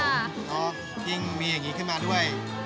เพราะยิ่งมีอย่างนี้ขึ้นมาด้วย